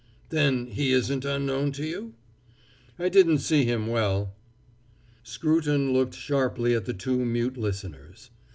"Then he isn't unknown to you?" "I didn't see him well." Scruton looked sharply at the two mute listeners.